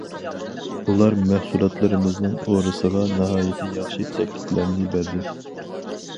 ئۇلار مەھسۇلاتلىرىمىزنىڭ ئورىسىغا ناھايىتى ياخشى تەكلىپلەرنى بەردى.